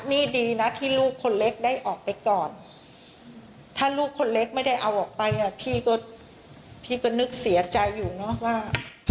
นี่ดีนะที่ลูกคนเล็กได้ออกไปก่อนถ้าลูกคนเล็กไม่ได้เอาออกไปอ่ะพี่ก็พี่ก็นึกเสียใจอยู่เนอะว่า